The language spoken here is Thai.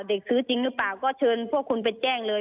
ซื้อจริงหรือเปล่าก็เชิญพวกคุณไปแจ้งเลย